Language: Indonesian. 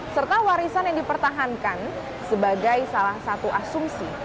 serta warisan yang dipertahankan sebagai salah satu asumsi